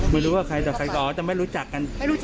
ไม่รู้ว่าใครก็ใช้การอ๋อจะไม่รู้จักกัน